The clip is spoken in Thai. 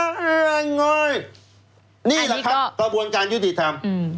นี่แหละครับกระบวนการยุติธรรม